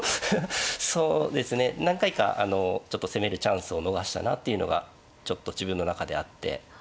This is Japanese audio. そうですね何回かあのちょっと攻めるチャンスを逃したなっていうのがちょっと自分の中であってありましたね。